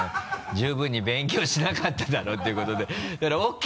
十分に勉強しなかっただろっていうことで